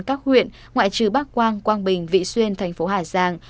các huyện ngoại trừ bắc quang quang bình vị xuyên thành phố hà giang